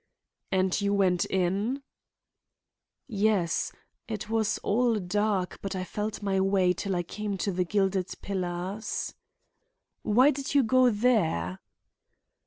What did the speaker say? "And you went in?" "Yes; it was all dark, but I felt my way till I came to the gilded pillars." "Why did you go there?"